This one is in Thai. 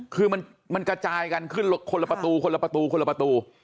คือมันกระจายกันขึ้นคนละประตูคนละประตูคนละประตู